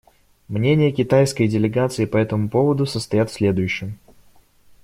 Мнения китайской делегации по этому поводу состоят в следующем.